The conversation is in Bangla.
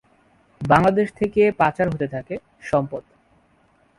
বাংলাদেশ থেকে পাচার হতে থাকে সম্পদ।